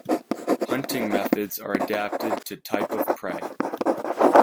Hunting methods are adapted to type of prey.